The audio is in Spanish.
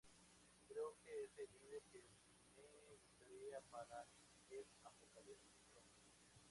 Creo que es el líder que me gustaría para el apocalipsis zombi.